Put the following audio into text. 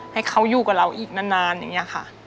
ให้เขาอยู่กับเราอีกนานอย่างนี้ค่ะ